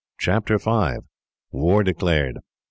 Chapter 5: War Declared.